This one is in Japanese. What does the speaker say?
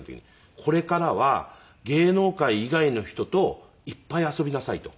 「これからは芸能界以外の人といっぱい遊びなさい」と。